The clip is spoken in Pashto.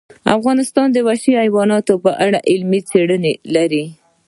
افغانستان د وحشي حیوانات په اړه علمي څېړنې لري.